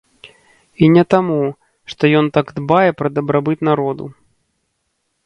І не таму, што ён так дбае пра дабрабыт народу.